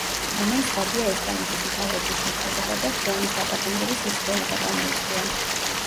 ამან ცხადია ესპანეთის მთავრობის შეშფოთება და ხუანის დაპატიმრების მცდელობა გამოიწვია.